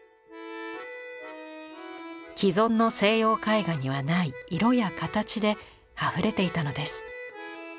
既存の西洋絵画にはない色や形であふれていたのです。